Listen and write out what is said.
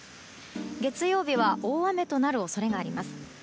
月曜日は大雨となる恐れがあります。